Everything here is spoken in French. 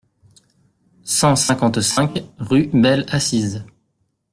cent cinquante-cinq rue Belle Assise